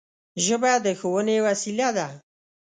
ژبه د ښوونې وسیله ده